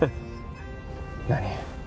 何？